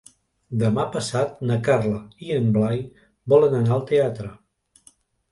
Demà passat na Carla i en Blai volen anar al teatre.